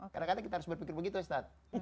kadang kadang kita harus berpikir begitu ustadz